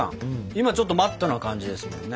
今ちょっとマットな感じですもんね。